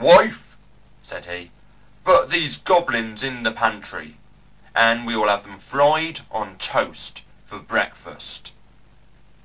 "Wife," said he, "put these goblins in the pantry, and we will have them fried on toast for breakfast."